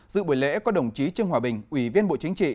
dự buổi lễ có đồng chí trương hòa bình ủy viên bộ chính trị